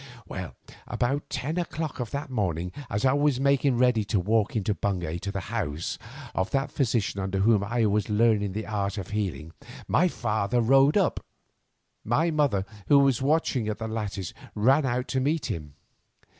About ten o'clock of that morning, as I was making ready to walk into Bungay to the house of that physician under whom I was learning the art of healing, my father rode up. My mother, who was watching at the lattice, ran out to meet him.